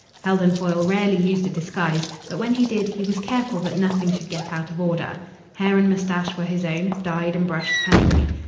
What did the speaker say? Heldon Foyle rarely used a disguise, but when he did he was careful that nothing should get out of order. Hair and moustache were his own, dyed and brushed cunningly.